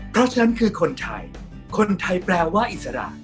เพราะฉะนั้นคือคนไทยคนไทยแปลว่าอิสระ